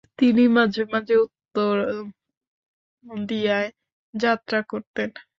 তিনি মাঝে মাঝে উত্তর দিশায় যাত্রা করতেন।